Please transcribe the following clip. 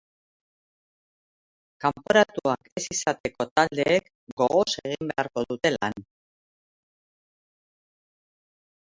Kanporatuak ez izateko taldeek gogoz egin beharko dute lan.